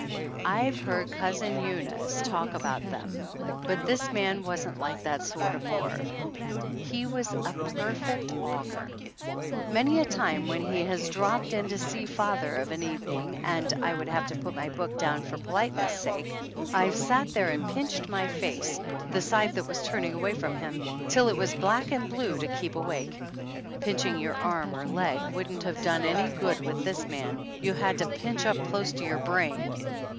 I've heard Cousin Eunice talk about them, but this man wasn't like that sort of bore. He was a perfect auger. Many a time when he has dropped in to see father of an evening and I would have to put my book down for politeness' sake, I've sat there and pinched my face, the side that was turned away from him, till it was black and blue, to keep awake. Pinching your arm or leg wouldn't have done any good with this man you had to pinch up close to your brain.